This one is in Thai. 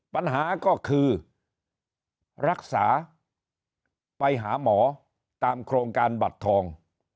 ปัญหาก็คือรักษาไปหาหมอตามโครงการบัตรทอง